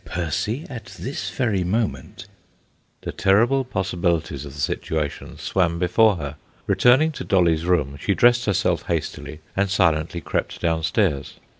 Percy at this very moment The terrible possibilities of the situation swam before her. Returning to Dolly's room, she dressed herself hastily, and silently crept downstairs.